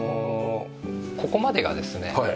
ここまでがですね